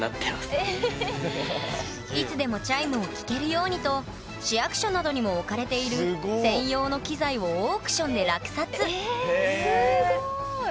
いつでもチャイムを聴けるようにと市役所などにも置かれている専用の機材をオークションで落札えすごい！